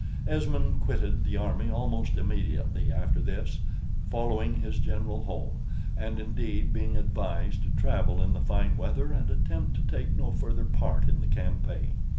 Esmond quitted the army almost immediately after this, following his general home; and, indeed, being advised to travel in the fine weather and attempt to take no further part in the campaign.